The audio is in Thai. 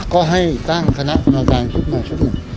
ก็ให้ตั้งคณะกรรมการขึ้นมาชุดหนึ่ง